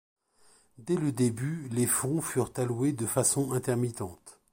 Dès le début les fonds furent alloués de façon intermittente.